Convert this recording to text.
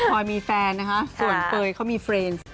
อยมีแฟนนะคะส่วนเปยเขามีเฟรนซ์